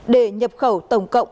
để nhập khẩu tổng cộng